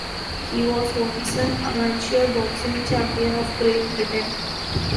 He was once an amateur boxing champion of Great Britain.